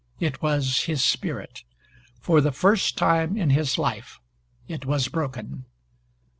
It was his spirit. For the first time in his life, it was broken.